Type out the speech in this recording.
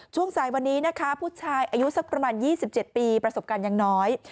ช่วงสายวันนี้นะคะผู้ชายอายุสักประมาณ๒๗ปีประสบการณ์ยังน้อย